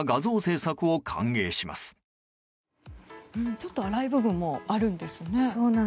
ちょっと粗い部分もあるんですね。